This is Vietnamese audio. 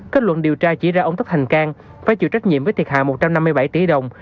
kết luận điều tra chỉ ra ông tất thành cang phải chịu trách nhiệm với thiệt hại một trăm năm mươi bảy tỷ đồng